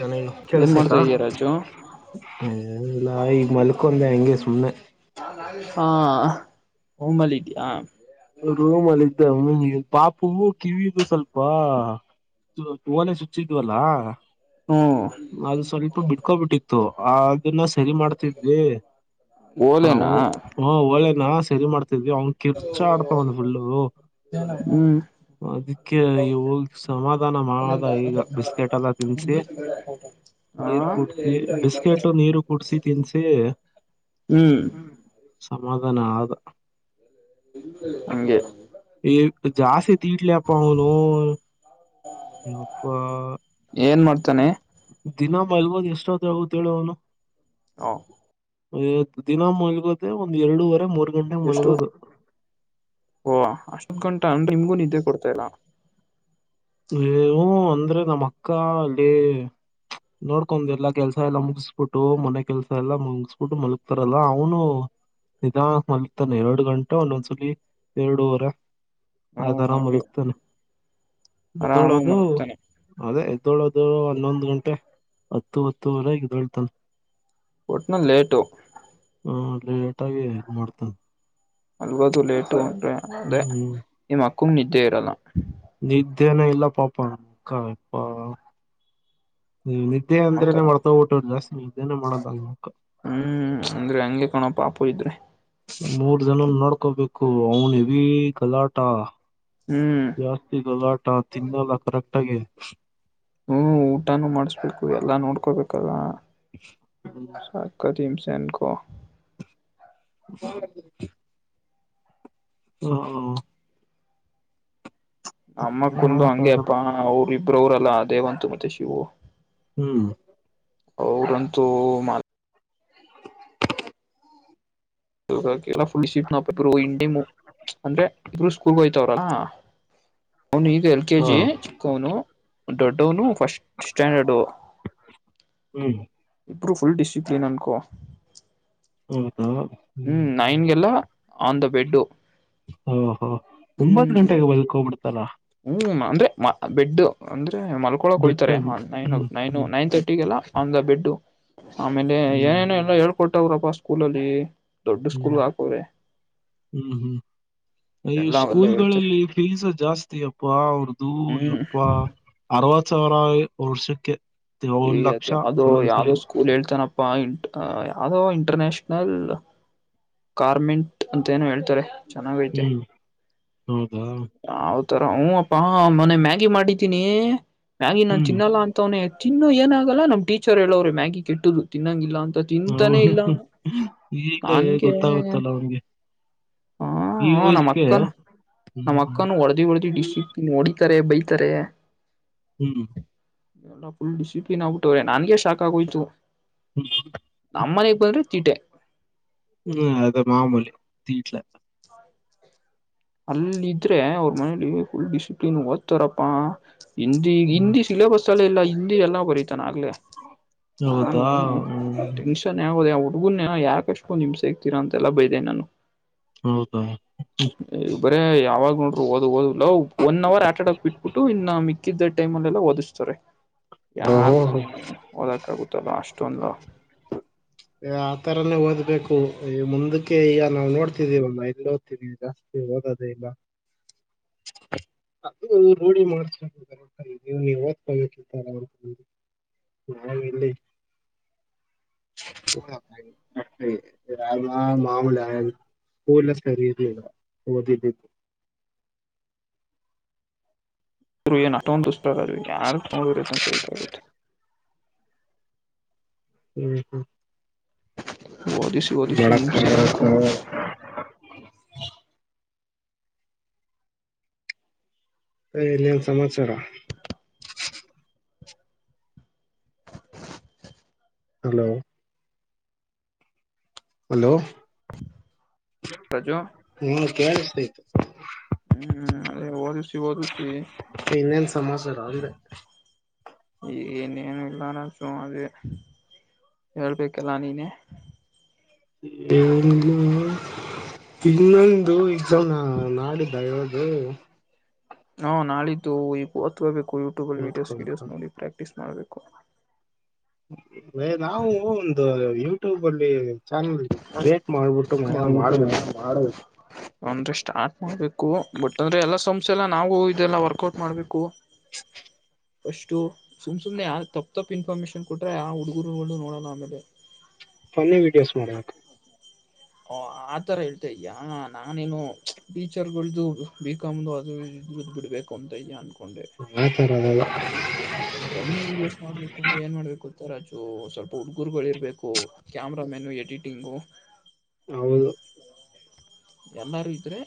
ಚ ಏನ್ ಮಾಡ್ತಾ ಕೆಳ್ಸಲ್ಲ ಇದೀಯ ರಾಜು ಈ ಮಲ್ಕ ಂದ ಎಂಗ ಸುಮ್ಮನೆ ಹಾ ಹಂಬಲ್ಲಿ ಇದ್ಯಾಾ ರೂಮ್ ಅಲ್ಲಿ ಇದ್ದ ಪಾಪೂ ಕಿವಿಿದು ಸ್ವಲ್ಪ ುವನೆೇ ಚುಚ್ಚಿದ್ವಲ್ಲಾ ಹ್ಮ್ ಅದು ಸ್ವಲ್ಪ ಬಿಡ್ಕೋಬಿಟ್ಟಿತ್ತು ಅದನ್ನ ಸರಿ ಮಾಡ್ತಿದ್ವಿ ಓಲೆನಾ ಹ ಒಓಳ್ಳೇನಾ ಸರಿ ಮಾಡ್ತಿದ್ವಿ ಅವನ್ ಕಿರ್ ಡ್ತ ಒಂದುಫುಳ್ಳ ಹ್ಮ್ ಅದಕ್ಕೆ ಹೋಗ ಸಮಾಧಾನ ಮಾಡದ ಈಗ ಬಿಸ್ಕೆಟ್ ಎಲ್ಲ ತಿನ್ಸಿ ಹಾ ನೀರ್ ಕುೂಡ್ಸಿ ಬಿಸ್ಕೆಟ್ ನೀರು ಕುೂಡ್ಸಿ ತಿನ್ಸಿ ಹ್ಮ್ ಸಮಾಧಾನ ಆದ ಹಗೆ ಜಾಸ್ತಿ ತೀಟ್ಲಪ್ಪನು ಇಪ್ಪ ಏನ್ ಮಾಡ್ತಾನೆ ದಿನ ಮಲ್ಗೋದ್ ಎಷ್ಟ ಹತ್ರಗೇಳುವ ಅವನು ಹ ದಿನ ಮಲ್ಗೋದೆ ಒಂದ್ ಎರಡೂುವರೆ ಮೂರ್ ಗಂಟೆಗೆ ಎಷ್ಟು ಮಲ್ಗೋದು ಓ ಅಷ್ಟೊತ್್ ಗಂಟ ಅಂದ್ರೆ ನಿಮ್ಗೂ ನಿದ್ದೆ ಕೊಡ್ತಾ ಇಲ್ಲ ವು ಅಂದ್ರೆ ನಮ್ಮ ಅಕ್ಕಾ ಅಲ್ಲಿ ನೋಡ್ಕೊಂಡ ಎಲ್ಲಾ ಕೆಲ್ಸ ಎಲ್ಲಾ ಮುಗಿಸಬಿಟ್ಟು ಮನೆ ಕೆಲ್ಸ ಎಲ್ಲಾ ಮುಗಸ್ಬಿಟ್ಟು ಮಲಗ್ತಾರಲ್ಲ ಅವನು ನಿಧಾನ ಮಲ್ತಾನೆ ಎರಡು ಗಂಟೆ ಒಂದೊಂದ್ಸಲಿ ಎರಡುುವರೆ ಆತ ಹ್ಮ್ ಹಂಗೆ ಆರಾಮಲಗ್ತಾನ ಆರಾಮಾಗಿ ಎದ್ದೋಳದು ಮಲಗ್ತಾನೆ ಅದೇ ಇದದ್ದೋಳದು ಹನ್ನೊಂದು ಗಂಟೆ ಹತ್ತು ಹತ್ತುವರೆಗ ದೊಳ್ತಲ್ ಒಟ್ಟನ ಲೇಟು ಲೇಟಾಗಿಿ ಮಾಡ್ತದೆ ಅಲ್ವದು ಲೇಟು ಅ್ರೆ ಅದೇ ಹ್ಮ್ ನಿಮ್ಮ ಅಕ್ಕಂಗ ನಿದ್ದೆ ಇರಲ್ಲ ಅನ ಇಲ್ಲ ಪಪಾ ಅಕ್ಕಾ ಇಪ್ಪ ನೀವ ನಿದ್ದೆ ಅಂದ್ರೇನೆ ಆತರ ಮಾಡ್ತಬಿಟ್ಟುರು ಜಾಸ್ತಿ ನಿದ್ದೇನೆ ಮಾಡೋದಾಗ ಹ್ಮ್ ಅಂದ್ರೆ ಹಂಗೆ ಕಣ ಪಾಪು ಇದ್ರೆ ಮೂ ಜನ ನೋಡ್ಕೋಬೇಕು ಅವನು ಭೀ ಗಲಾಟ ಹ್ಮ್ ಜಾಸ್ತಿ ಗಲಾಟ ತಿನ್ನ ನಲ್ಲಾಖಕ್ಟಾಗ ಹ್ಮ್ ಊಟಾನೂ ಮಾಡಸ್ಬೇಕು ಎಲ್ಲಾ ನೋಡ್ಕೋಬೇಕಲ್ಲ ಕದೀಮ ಸನ್ಕ ಹೌ ಹ ನಮ್ಮಕ್ಕ ಏನ್ ಕುಂಡು ಮಾಡಕ್ ಹಂಗೆ ಆಗಲ್ಲ ಅಪ್ಪಾ ಅವ್ರ ಇಬ್ರವರಲ್ಲಾ ದೇವಂತ ಮತ್ತೆ ಶವು ಹ್ಮ್ ೌರಂತು ಮಾ ಫುೀ ನ ಇಂಡಮ ಅಂದ್ರೆ ಕೂಗೋಯ್ತವ್ರಾ ಅವನು ಈಗ ಎಲ್ ಕೆ ಹಾ ಜಿ ಚಿಕ್ಕವನು ದೊಡ್ಡವನು ಫಸ್ಟ್ ಸ್ಟ್ಯಾಂಡರ್ಡುು ಹ್ಮ್ ಇರು ಫುಲ್ ಡಿಿಸಿಿಪ್ಲಿನ್ ಅನ್ಕೋ ಹ್ಮ ಹ್ಮ್ ನೈನ್ಗೆಲ್ಲ ಆನ್ ದ ಬೆಡ್ ಓ ಹೋ ಒಂಬತ್ ಗಂಟೆಗೆ ಬದಕ್ ಹೋಗ್ಬಿಡ್ತಾರಾ ಹ್ಮ ಅಂದ್ರೆ ಬೆಡ್ ಅಂದ್ರೆ ಮಲ್ಕೊಳಕ್ ಬೆಟ್ಟ ಹೋಯ್ತಾರೆ ಹ್ಮ್ ನೈನ್ ಹ್ಮ್ ನೈನ್ ನೈನ್ ತರ್ಟಿ ಎಲ್ಲ ಒಂದ ಬೆಡ್ಡು ಆಮೇಲೆ ಹ್ಮ್ ಏನೇನು ಎಲ್ಲ ಹೇಳ್ಕೊಟ್ಟಾವ್ರಪ್ಪಾ ಸ್ಕೂಲಲ್ಲಿ ದೊಡ್ಡ ಸ್ಕೂಲ್ ಹ್ಮ್ ಆಾಕೋರೆೆ ಸ್ಕೂಲ್ ಗಳಲ್ಲಿ ಫೀಸ್ ಜಾಸ್ತಿ ಜಸ್ತಿ ಅಪ್ಪ ಅವ್ರದುು ಹ್ಮ್ ಯಪ್ಪ ಅರವತ್ ಸಾವಿರ ವರ್ಷಕ್ಕೆ ಈ ಒಂದ್ ಅದ್ ಲಕ್ಷ ಯಾವ್ದೋ ಒಂದೊಂದ್ಸಲಿ ಯಾವ್ದೋ ಸ್ಕೂಲ್ ಹೇಳ್ತಾನಪ್ಪಾ ಇಂಟು ಅ ಯಾವವುದೋ ಇಂಟರ್ನ್ಯಾಷನಲ್ ಕಾರಾರ್ಮೆಂಟ್ ಅಂತ ಏನು ಹೇಳ್ತಾರೆ ಚನ್ನಾಗಯತೆ ಹ್ಮ್ ಹೌದಾ ರ ಹ್ ಅಪ್ಪಾ ಮನೆ ಮ್ಯಾಗಿ ಮಾಡಿದ್ದೀನಿ ಮ್ಯಾಗಿಿ ನಾನ್ ಹ್ಮ್ ತಿನ್ನಲ್ಲ ಅಂತವನ ತಿನ್ನು ಏನಾಗಲ್ಲ ನಮ್ಮ ಟೀಚರ್ ಹೇಳೋವೆ ಮ್ಯಾಗಿ ಕೆಟ್ಟದು ತಿನ್ನಂಗಿಲ್ಲ ಅ ಹೌದ ಈಗ ನನ್ಗೆ ಗೊತ್ತಾಗುತ್ತಲ್ಲ ಅವನ್ಗೆ ಇ ವಯಸ್ಕಗೆ ನಮ್ಮ್ ಅಕ್ಕನು ಹೊಡದಿ ಹೊಡದಿ ಡಿಸಿಪ್ಲಿನ್ ಹೊಡಿತಾರೆ ಬೈತಾರೆ ಹ್ಮ್ ಎಲ್ಲ ಫುಲ್ ಡಿಸಿಪ್ಲಿನ್ ಆಗ್ಬಿಟ್ಟವ್ರೆ ನನ್ಗೆ ಶಾಕ್ ಆಗೋಯ್ತು ಹ್ಮ್ ನಮ್ಮ ಮನೆಗೆ ಬಂದ್ರೆ‌ ತೀಟೆ ಹ್ಮ್ ಅದು ಮಾಮೂಲಿ ತೀಟ್ಲೇ ಅಲ್ಲಿದ್ರೆ ಅವ್ರ ಮನೇಲಿ ಫುಲ್ ಡಿಸಿಪ್ಲಿನ್ ಓದ್ತಾರಪ್ಪಾ ಹಿಂದಿ ಹ್ಮ್ ಹಿಂದಿ ಸಿಿಬಸ್ ಅಲ್ಲ ಇಲ್ಲ ಹಿಂದಿ ಎಲ್ಲ ಕೊರಿತ ಚೆನ್ನಾಗ್ ನ ಹೌದಾ ಹ್ಮ್ ಟೆನ್ಷನ್ ಹುದಊ ಮಗುನ ಯಾಕಷ್ಟೂಂದ ಹಿಮ್ಸೆಗ್ತೀರಾ ಅಂತೆಲ್ಲ ಬೈದೆ ನಾನು ಹೌದಾ ಹ್ಮ ಬರೇ ಯಾವಾಗ್ ನೋಡಿದ್ದರು ಓದು ಓದು ಲೂ ಒನ್ ಅವರ್ ಆಟ ಇಡುಕ್ಕಿ ಬಿಟ್ಬಿಟ್ಟು ಇನ್ನ ಮಿಕ್ಕಿದ್ದ ಟೈಮ್ಲ ಎಲ್ಲ ಓದಿಸ್ತಾರೆ ಯಾರ ಓಹೋ ತಾನೆ ಓದಕಾಗುತ್ತಲ್ಲ ಅಷ್ಟ ಷ್ಟೊಂದ ಆತರಾನೇ ಓದ್ಬೇಕು ಈ ಮುಂದಕ್ಕೆ ಈಗ ನಾವು ನೋಡ್ತಿದೀವಮ್ಮ ಎಲ್ಲಿ ಓದ್ತೀವಿ ಈಗ ಓದದೆ ಇಲ್ಲ ಅದು ರೂಢಿ ಮಾಡಸಬೇಕು ಕರೇಕ್ಟ ಆಗಿ ನೀವು ನೀವು ಓದಕಿಂತ ಹಾ ಇಲ್ಲಿ ಹ ರಾಮ ಮಾಮೂಲ ಸ್ಕೂಲೇ ಸರಿ ಇರಲ್ಲಿಲ್ಲ ಓದಿದ ಆದರು ಏನ್ ಅಷ್ಟೊಂದು ದುಷ್ಟರ ಅಲ್ಲಿ ಯಾರ ನೋಡರತ್ತ ಸೈಕ ಆಗುತ್ತೆ ಹ್ಮ್ ಹ್ಮ್ ಓದಿಸಿ ಓದಿಸಿ ಮಾಡಕ್ಕಾಗಲ್ಲ [unintelligible] ಏ ಇನ್ನೆನ್ ಸಮಾಚಾರ ಹಲೋ ಹಲೋ ರಜು ಹ್ಮ ಕೇಳಸ್ತೈತೆ ಹ್ಮ್ ಅದೇ ಓದಿಷ ಓದಿಷ ಮತ್ತೆ ಇನ್ನೇನ ಸಮಾಚಾರ ಅಂದೆ ಈಗ ಇನ್ನೇನು ಇಲ್ಲಾನ ಸುಮ ಅದೇ ಹೇಳ್ಬೇಕಲ್ಲಾ ನೀನೇ ಇನ್ನೊಂದು ಎಕ್ಸಮ ನಾಡಿದ್ದ ಹ್ಮ ಹಾ ನಾಳಿದ್ದು ಈಗ ಓದಕೂ ಬೇಕು ಯೂಟ್ಯೂಬ ಅಲ್ಲಿ ವಿಡಿಯೋಸ್ ಓದ್ಕೋಬೇಕ ಗಿಡಿಯೋಸ್ ನೋಡಿ ಪ್ರಾಕ್ಟೀಸ್ ಮಾಡಬೇಕು ಮ ನಾವು ಒಂದು ಯೂಟ್ಯೂಬ್ ಅಲ್ಲಿ ಚಾನಲ್ ಕ್ರಿಯೇಟ್ ಮಾಡ್ಬಿಟ್ಟು ಮಯ ಮಾಡ್ಬಿಟ್ಟು ಮಾಡ್ಬೇಕು ಮಾಡಬೇಕು ಅಂದ್ರೆ ಸ್ಟಾರ್ಟ್ ಮಾಡ್ಬೇಕು ಬಟ್ ಅಂದ್ರೆ ಎಲ್ಲಾ ಸಂಸ್ ಎಲ್ಲ ನಾವು ಇದೆಲ್ಲಾ ವರ್ಕೌಟ್ ಮಾಡ್ಬೇಕು ಅಫಷ್ಟು ಸುಮ್ ಸುಮ್ಮ್ನೆ ಯ ತಪ್ಪಪ್ ತಪ್ಪು ಇನ್ಫಾರ್ಮೇಶನ್ ಕೊಟ್ರೆ ಆ ಹುಡುಗುರುಗಳನ್ನು ನೋಡೋಲ್ಲ ಆಮೇಲೆ ಫನ್ನಿ ವೀಡಿಯೋಸ್ ಮಾಡಬೇಕು ಓ ಆತರ ಹೇಳ್ತೆೇ ಇದಿಯಾ ನಾನೇನು ಟೀಚರ್ಗಳ್ದು ಬಿಕಾಮು ಅದು ಬೀಟಬಿಡಬೇಕು ಅಂತ ಇದಿಯಾ ಆತರದಲ್ಲ ಫನ್ನಿ ವಿಡಿಯೋಸ್ ಮಾಡ್ಬೇಕು ಅಂದ್ರೆ ಏನ್ ಮಾಡ್ಬೇಕು ಗೂತ್ತ ರಾಜು ಸ್ವಲ್ಪ ಹುಡ್ಗರುಗಳು ಇರ್ಬೇಕು ಕ್ಯಾಮರ ಮೆನ್ ಎಡಿಟಿಂಗು ಹೌದು ಎಲ್ಲರೂ ಇದ್ರರೆ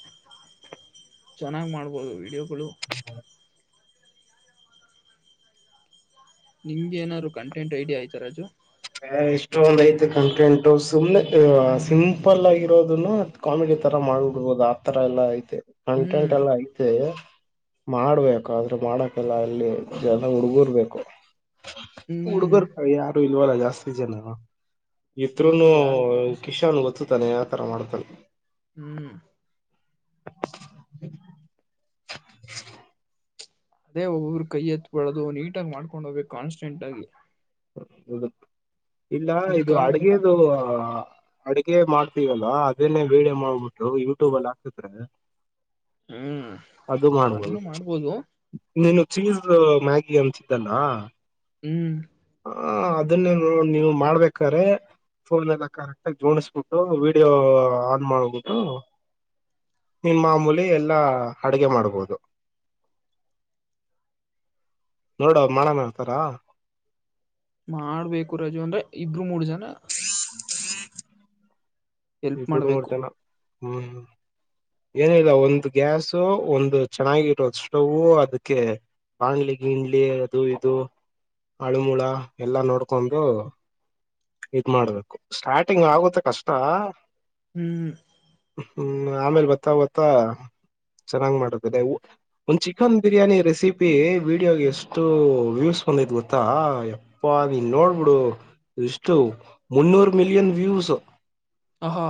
ಚೆನ್ನಾಗ ಮಾಡ್ಬೋದು ವೀಡಿಯೋಗಳು ನಿಮ್ಗೆ ಏನಾದ್ರು ಕಂಟೆಂಟ್ ಐಡಿ ಆಯ್ತಾ ರಾಜು ಎಷ್ಟೊಂದ್ ಐತ ಕಂಟೆಂಟ್ ಸುಮ್ನೆ ಸಿಂಪಲ್ ಆಗಿರೋದು ಕಾಮಿಡಿ ತರ ಮಾಡ್ಬಿಡ್ಬೋದು ಆತರ ಎಲ್ಲಾ ಐತೆ ಕಂಟೆಂಟ್ ಹ್ಮ್ ಎಲ್ಲ ಐತೆ ಮಾಡ್ಬೇಕು ಆದ್ರೆ ಮಾಡಕಲ್ಲ ಅಲ್ಲಿ ಜನ ಹುಡ್ಗುರ್ಬೇಕು ಹ್ಮ್ ಹುಡ್ಗರ್ ಯಾರು ಇಲ್ವಲ್ಲ ಜಾಸ್ತಿ ಜನ ಇದ್ರುನು ಗುರುಗಳು ಯಾರ ಇದ್ದಾರೆ ಕಿಶಾನ್ ಗೊತ್ತತಾನೆ ಆತರ ಮಾಡ್ತಾನೆ ಹ್ಮ್ [inaudible] ಅದೇ ಒಬ್ಬೊಬ್ರು ಕೈ ಎತ್ತತ್ಬಳೋದು ನೀಟಾಗಿ ಮಾಡ್ಕೊಂಡ್ ಹೋಗ್ಬೇಕು ಕಾನ್ಸ್ಟೆಂಟ್ ಆಗಿ ಹೌದು ಇಲ್ಲ ಇದು ಕ್ಲಿಕ್ಕಾಗ ಅಂತ ಅಡ್ಗೆದು ಅಡಗೆ ಮಾಡ್ ಲ್ವಾ ಅದನ್ನೇ ವೀಡಿಯೋ ಮಾಡ್ಬಿಟ್ಟು ಯೂಟ್ಯೂಬ ಅಲ್ಲಿ ಹಾಕಿದ್ರೆ ಹ್ಮ್ ಅದು ಮಾಡುವುದು ಅದನ್ನು ಮಾಡ್ಬೋದು ನೀನು ಚೀಸ್ ಮ್ಯಾಗಿ ಅನ್ಸಿದ್ದಲ್ಲ ಹ್ಮ್ ಹ ಅದನ್ನೇ ನೋ ನೀವು ಮಾಡ್ಬೇಕ್ರೆ ಫೋನ್ ಎಲ್ಲ ಕರೆಕ್ಟ್ ಆಗ ಜೋಣಿಸಬಿಟ್ಟು ವೀಡಿಯೋ ಆನ್ ಮಾಡಬಿಟ್ಟು ನಿನ್ ಮಾಮೂಲಿ ಎಲ್ಲಾ ಅಡಗೆ ಮಾಡ್ಬೋದು ನೋಡವ ಮಾಡನ ಹೇಳ್ತಾರಾ ಮಾಡ್ಬೇಕು ರಜು ಅಂದ್ರೆ ಇಬ್ರು ಮೂರ್ ಜನ ಹ್ಮ ಎಲ್ಪ್ ಇಬಡು ಮಾಡ್ಬೇಕು ಮೂಡ್ತನ ಹ್ಮ್ ಏನಿಲ್ಲ ಒಂದು್ ಗ್ಯಾಾಸು ಒಂದು ಚೆನ್ನಾಗಿ ಇರೋದು ಸ್ಟೌವ ಅದಕ್ಕೆ ಬಾಣ್ಲಿ ಗಿಂಡ್ಲಿ ಅದು ಇದು ಅಳುಮುಳ ಎಲ್ಲಾ ನೋಡ್ಕೊಂಡು ಇದ್ ಮಾಡ್ಬೇಕು ಸ್ಟಾರ್ಟಿಂಗ್ ಆಗುತ್ತೆ ಕಷ್ಟ ಹ್ಮ್ ಆಮೇಲೆ ಬತ್ತಾ ಗತ್ತಾ ಚೆನ್ನಾಗ್ ಮಾಡತದೆ ಒಂದ್ ಚಿಕನ್ ಬಿರಿಯಾನಿ ರೆಸಿಪಿ ವಿಡಿಯೋಗೆ ಎಷ್ಟು ವ್ಯೂಸ್ ಸೊಂದೈತ್ ಗೊತ್ತಾ ಎಪ್ಪಾ ಇನ್ ನೋಡ್ಬಿಡು ಇಷ್ಟು ಮುನ್ನೂರು ಮಿಲಿಯನ್ ವ್ಯೂಸ್ ಹಾ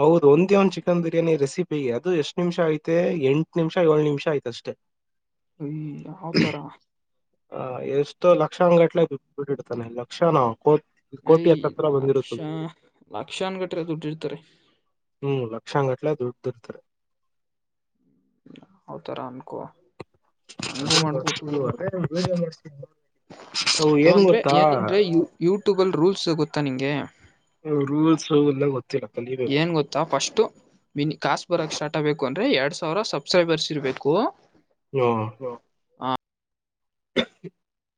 ಹೌದು ಒಂದೇ ಒಂದ ಚಿಕನ್ ಬಿರಿಯಾನಿ ರೆಸಿಪಿ ಅದು ಎಷ್ಟ್ ನಿಮಷ ಐ್ತೆ ಎಂಟು ನಿಮಿಷ ಏಳು ನಿಮಿಷ ಆಯ್ತ ಅಷ್ಟೇ ಯ್ ಅವತರ ಹ ಎಷ್ಟೋ ಲಕ್ಷ ಅಂಗಂಗಟ್ಲೆ ಬಿಟ್ಟಿಡ್ತಾನೆ ಲಕ್ಷ ನ ಯ ಲಕ್ಷ ಲಕ್ಷಕ್ಷನ್ ಕಟ್ರ ದುಡ್ಡಿ ಇರ್ತಾರೆ ಹ್ಮ್ ಲಕ್ಷಾಂಗಟ್ಲೆ ದುಡ್ಡ್ದ ಇರ್ತಾರೆ ಅವತರಾಮಕ ಅದೇದೇೇಜ ಮಾಡ್ತ ಅಂದ್ರೆ ಏನಂದ್ರೆ ಯ ಯೂಟ್ಯೂಬ ಅಲ್ ರೂಲ್ಸ್ ಗೊತ್ತಾ ನಿಂಗೆ ಅವರುೂ ಸೌಲ್ಲ ಗೊತ್ತ ಏನ್ ಗೊತ್ತಾ ಫಸ್ಟ್ಿನಿ ಕಾಸ್ಬುರ ಸ್ಟಾರ್ಟ್ ಬು ಅಂದ್ರೆ ಎರಡ್ ಸಾವಿರ ಸಬ್ಸ್ಕ್ರೈಬರ್ಸ್ ಇರಬೇಕು ಹ್ಮ [inaudible]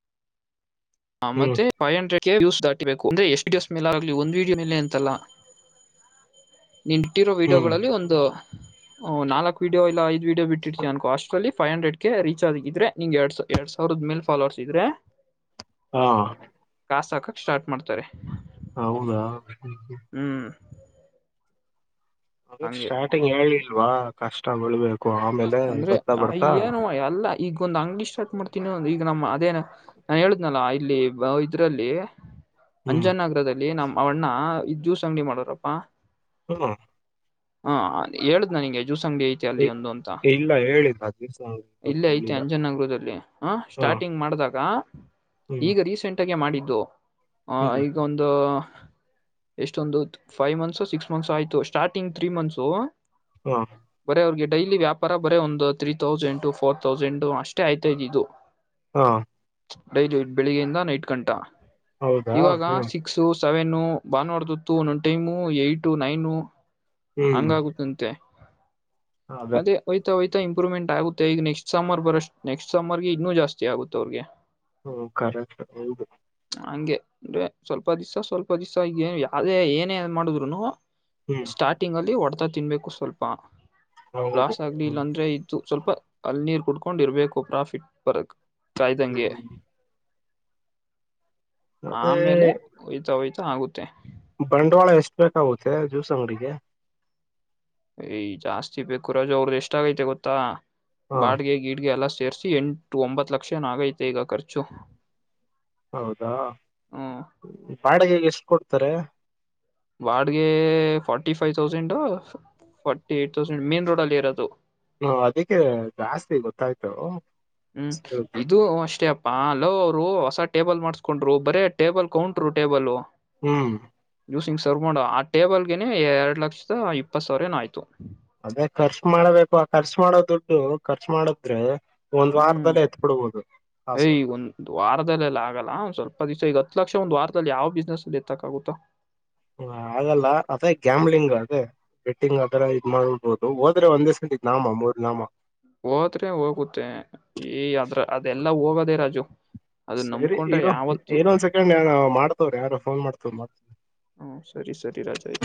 ಮತ್ತ ಹ್ಮ್ ೈವ್ ಹಂಡ್ರೆಡ್ ಕೊಸ್ ದಾಟಿಬೇಕು ಅಂದ್ರೆ ಎಷ್ಟುಡಸ್ ಮೇಲ ಆಾಗಲಿ ಒಂದು್ ವೀಡಿಯೋ ಮೇಲೆ ಎಂತಲ್ಲ ನೀನು ಇಟ್ಟಿರೋ ಹ್ಮ್ ವಿೀಡಿಯೋಗಳಲ್ಲಿ ಒಂದು ಓ್ ನಲ್ಕ್ ವಿಡಿಯ ಇ ಐದ್ ವಿಿಯೋ ಬಿಟ್ಟಿಡ್ತವಿ ಅನ್ಕ ಹಸ್್ರಲ್ಲಿ ಫೈವ್ ಹಂಡ್ರೆಡ್ ಗೆ ರೀಚ್ಾರ್್ಗಿದ್ರೆ ನಿಂಗ್ ಎರಡ್ ಎರಡ್ ಸಾವಿರದ ಮೇಲ್ ಫಾಲೋರ್ಸ್ ಇದ್ರೆ ಹಾ ಕಾಸಸ್ಾಕಕ್ ಸ್ಟಾರ್ ಮಾಡ್ತಾರೆ ಹೌದಾ ಹ್ಮ್ ಅದಕ್ ಹಂಗೆ ಸ್ಟಾರ್ಟಿಂಗ್ ಹೇಳಿಲ್ವಾ ಕಷ್ಟ ಬಿಳ್ಬೇಕು ಅಂದ್ರೆ ಅಯ್ಯಏನು ಎಲ್ಲಾ ಈಗೊಂದ್ ಅಂಗಿಷ್ಟ ಸಟ್ ಮಾಡ್ತೀನಿ ಈಗ ನಮ್ಮ ಅದೇನ ನಾನ್ ಹೇಳುದ್ನಲ್ಲಾ ಇಲ್ಲಿ ಇದ್ರಲ್ಲಿ ಹ್ಮ್ ಅಂಜನ ನಗರದಲ್ಲಿ ನಮ್ಮ ಅವಣ್ಣ ಇದ ಜ್ಯೂಸ್ ಅಂಗಡಿ ಮಾಡೋ್ರಪ್ಪಾ ಹ್ಮ ಹಾ ಹೇಳ್ದ್ ನನಗೆ ಜೂಸ ಅಂಗಡಿ ಐತಿ ಅಲ್ಲಿ ಇ- ಒಂದು ಅಂತ ಇಲ್ಲ ಹೇಳಿಲ್ಲ ದಿವ್ಸ ಬಗ್ಗೆ ಇಲ್ಲೇ ಐತೆ ಹೇಳಿಲ್ಲ ಅಂಜನಗರದಲ್ಲಿ ಹ ಹಾ ಸ್ಟಾರ್ಟಿಂಗ್ ಮಾಡ್ದಾಗ ಹ್ಮ್ ಈಗ ರೀಸೆಂಟ್ಗೇ ಮಾಡಿದ್ದು ಆ ಹ್ಮ್ ಈಗ ಒಂದು ಎಷ್ಟೊಂದು ಫೈವ್ ಮಂತ್ಸ ಸಿಕ್ಸ್ ಮಂತ್ಸ್ ಆಯ್ತು ಸ್ಟಾರ್ಟಿಂಗ್ ತ್ರೀ ಮಂತ್ಸು ಹಾ ಬರ ಅವ್ರಿಗೆ ಡೈಲಿ ವ್ಯಾಪ ಪರ ಬರೇ ಒಂದು ತ್ರೀ ತೌಸಂಡ್ ಫೋರ್ ತೌಸಂಡ್ ಅಷ್ಟೇ ಆಯ್ತ ಇದ ಇದು ಹಾ ಡೈ ಬೆಳಿಗ್ಗೆಯಿಂದ ನೈಟ್ ಗಂಟಾ ಹೌದಾ ಇವಾಗ ಹ್ಮ್ ಸಿಕ್ಸ್ ಸೆವೆನ್ ಬಾೋಡ್ತತ್ತು ಒಂದೊಂದು ಟೈಮು ಏಟ್ ನೈನು ಹಂಗಾಗುತ್ತಂತೆ ಹೌದೇ ಯ್ತ ಇಂಪ್ರೂವ್ಮೆಂಟ್ ಆಗುತ್ತೆ ಈಗ ನೆಕ್ಸ್ಟ್ ಸಮಮ್ಮರ್ ಬರಷ್ಟ ನೆಕ್ಸ್ಟ್ ಸಮಮ್ಮರ್ಗೆ ಇನ್ನುೂ ಜಾಸ್ತಿ ಆಗುತ್ತೆ ಅವ್ರಿಗೆ ಹ್ಮ ಕಕ್ ಹಂಗೆ ಅೆ ಸ್ವಲ್ಪ ದಿವ್ಸ ಸ್ವಲ್ಪ ದಿವ್ಸ ಯಾವ್ದೇ ಏನೇ ಮಾಡಿದ್ರುನು ಹ್ಮ್ ಸ್ಟಾರ್ಟಿಂಗ್ ಅಲ್ಲಿ ಹೊಡೆತಾ ತಿನ್ಬೇಕು ಸ್ವಲ್ಪ ಹೌದು ಇಲ್ಲ ಹ್ಮ್ ಅಂದ್ರೆ ಇತ್ತು ಸ್ವಲ್ಪ ಅಲ್ಲಿ ನೀರ್ ಕುಡ್ಕೊಂಡ್ ಇರ್ಬೇಕು ಪ್ರಾಫಿಟ್ ಬರಕ್ ಕಾಯ್ದಂಗೆ ಹ್ಮ್ ಅದೇ ಆಮೇಲೆ ಹೊಯ್ತಾ ಹೊಯ್ತಾ ಆಗುತ್ತೆ ಬಂಡವಾಳ ಎಷ್ಟ್ ಬೇಕಾಗುತ್ತೆ ಜ್ಯೂಸ್ ಅಂಗಡಿಗೆ ಯ್ ಜಾಸ್ತಿ ಬೇಕು ರು ಅವ್ರದ ಎಷ್ಟ ಆಗೈತೆ ಗೊತ್ತಾ ಹಾ ಬಾಡ್ಗೆ ಗಿಡ್ಗೆ ಎಲ್ಲಾ ಸೇರ್ಸ ಎಂಟು ಒಂಬತ್ತು ಲಕ್ಷ ಏನ ಆಗೈತೆ ಈಗ ಖರ್ಚು ಹೌದಾ ಹ್ಮ್ ಬಾಡಿಗೆಗೆ ಎಷ್ಟು ಕೊಡ್ತಾರೆ ವಾಡ್ಗೆ forty five thousand forty eight thousand main road ಅಲ್ಲಿ ಇರೋದು ಹಾ ಅದಕ್ಕೆ ಜಾಸ್ತಿ ಗೊತ್ತಾಯ್ತು ಹ್ಮ್ ಕೇಳಿದ್ದು. ಇದು ಅಷ್ಟೇ ಅ ಹಾ ಹಲೋ ಅವರು ಹೊಸ ಟೇಬಲ್ ಮಾಡಿಸಕೊಂಡ್ರು ಬರೇ ಟೇಬಲ್ ಕೌಂಟಟ್ರು ಟೇಬಲು ಹ್ಮ್ ಯೂಸಿಂಗ್ ಸರ್ವ್ ಮಾಡೋ ಆ ಟೇಬಲ್ ಗೆನೆ ಎರಡ್ ಲಕ್ಷದ ಇಪ್ಪತ್ ಸಾವಿರ ಏನ ಆಯ್ತು ಅದೇ ಖರ್ಚು ಮಾಡಬೇಕು ಆ ಖರ್ಚು ಮಾಡೋ ದುಡ್ಡು ಖರ್ಚು ಮಾಡುದ್ರ ಹ್ಮ್ ಏ್ ಈಗೊಂದ್ ವಾರದಲ್ಲೆಲ್ಲ ಆಗಲ್ಲ ಸ್ವಲ್ಪ ದಿವಸ ಈಗತ್ತು ಹ ಲಕ್ಷ ಒಂದು ವಾರದಲ್ಲಿ ಯಾವ ಬಿಸ್ನೆಸ್ ಅಲ್ಲಿ ಎತ್ತಕ್ಕ ಆಗುತ್ತಾ ಹ ಹಾಗಲ್ಲ ಅದೇ ಗ್ಯಾಮ್ಲಿಂಗ್ ಅದೇ ಬೆಟ್ಟಿಂಗ್ ಆ ತರ ಇದ್ ಮಾಡ್ಡ್ಬೋುದು ಹೋದ್ರೆ ಒಂದೇಸಂ ಇದ್ ನಾಮ ಮೂರ್ ನಾಮ ಹೋದ್ರೆ ಹೋಗುತ್ತೆ ಈ ಅದ್ರ ಅದೆಲ್ಲಾ ಹೋಗೋದೆೇ ರಾಜು ಅದನ್ನ ಸರಿ ನಂಬ್ಕೊಂಡ್ರೆ ಇರೋ ಯಾವತ್ತು ಇನೊಂದ್ ಸೆಕೆಂಡ್ ಮಾಡ್ತವ್ರ ಯಾರು ಫೋನ್ ಮಾಡ್ತವ ಮಾಡ್ತ ಹ್ಮ ಸರಿ ಸರಿ ರಾಜಾಯ